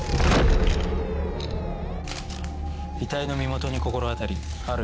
遺体の身元に心当たりある？